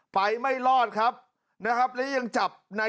ไฟไม่รอดนะครับและยังจับใน